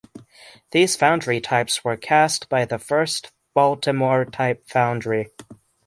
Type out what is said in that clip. These foundry types were cast by the first Baltimore Type Foundry.